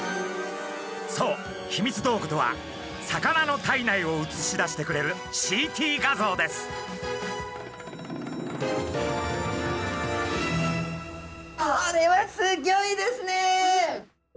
そうヒミツ道具とは魚の体内を写し出してくれるＣＴ画像です。